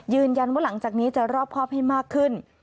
ยืนยันว่าหลังจากนี้จะรอบคอบให้มากขึ้น